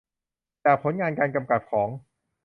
จากผลงานการกำกับของ